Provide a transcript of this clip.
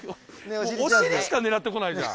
お尻しか狙って来ないじゃん。